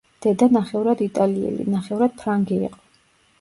დედა ნახევრად იტალიელი ნახევრად ფრანგი იყო.